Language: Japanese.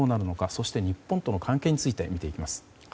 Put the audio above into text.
そして、日本との関係について見ていきます。